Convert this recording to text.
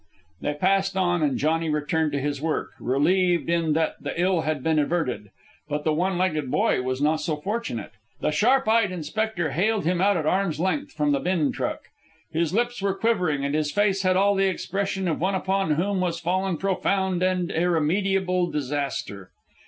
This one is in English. They passed on, and Johnny returned to his work, relieved in that the ill had been averted. But the one legged boy was not so fortunate. The sharp eyed inspector haled him out at arms length from the bin truck. His lips were quivering, and his face had all the expression of one upon whom was fallen profound and irremediable disaster.